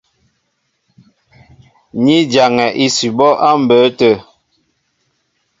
Ni jaŋɛ ísʉbɔ́ á mbə̌ tə̂.